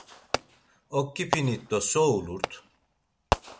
Oǩipinit do so ulurt?